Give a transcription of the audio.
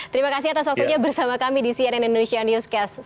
terima kasih atas waktunya bersama kami di cnn indonesia newscast